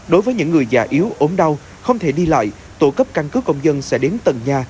đối với những người già yếu ốm đau không thể đi lại tổ cấp căn cứ công dân sẽ đến tầng nhà